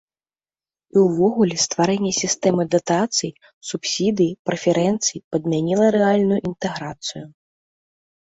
І ўвогуле стварэнне сістэмы датацый, субсідый, прэферэнцый падмяніла рэальную інтэграцыю.